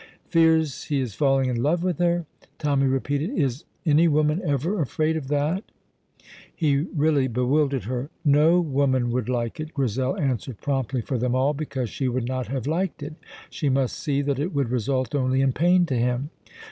"Fears he is falling in love with her!" Tommy repeated. "Is any woman ever afraid of that?" He really bewildered her. "No woman would like it," Grizel answered promptly for them all, because she would not have liked it. "She must see that it would result only in pain to him."